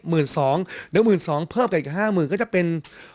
เดี๋ยว๑๒๐๐๐เพิ่มกับอีก๕๐๐๐๐ก็จะเป็น๖๐๐๐๐